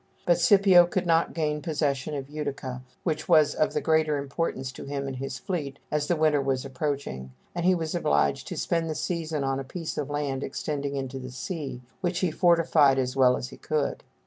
But Scipio could not gain possession of Utica, which was of the greater importance to him and his fleet as the winter was approaching, and he was obliged to spend the season on a piece of land extending into the sea, which he fortified as well as he could.